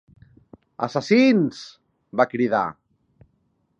"Assassins!", va cridar.